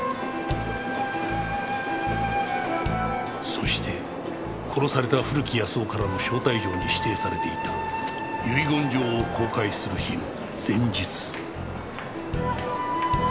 そして殺された古木保男からの招待状に指定されていた遺言状を公開する日の前日